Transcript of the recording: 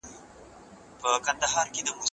مي ولوستل